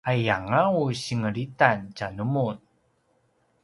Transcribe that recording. aiyanga u sengelitan tjanumun